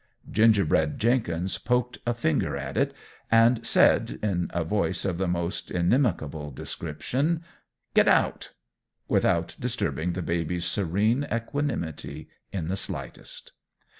Gingerbread Jenkins poked a finger at it, and said, in a voice of the most inimical description, "Get out!" without disturbing the baby's serene equanimity in the slightest.